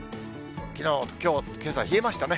きのうときょう、けさ、冷えましたね。